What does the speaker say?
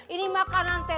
ini makanan teh